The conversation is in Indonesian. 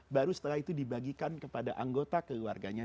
baru setelah itu dibagikan kepada anggota keluarganya